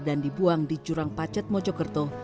dan dibuang di jurang pacet mojokerto